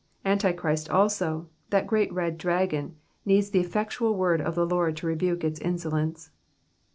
Anti christ also, that great red dragon, needs the effectual word of the Lord to rebuke its in solence.